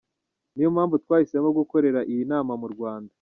Niyo mpamvu twahisemo gukorera iyi nama mu Rwanda.